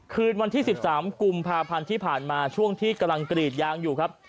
คืนวันที่๑๓กุมภาพันธ์ที่ผ่านมาช่วงที่กำลังกรีดยางอยู่ครับ